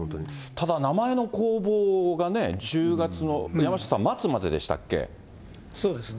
ただ、名前の公募がね、１０月の、山下さん、末まででしたっそうですね。